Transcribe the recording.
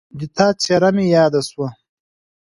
د تا څېره مې یاده شوه